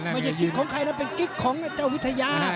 กิ๊กของใครนะเป็นกิ๊กของเจ้าวิทยา